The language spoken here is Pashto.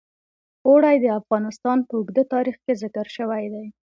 اوړي د افغانستان په اوږده تاریخ کې ذکر شوی دی.